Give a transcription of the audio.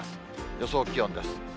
予想気温です。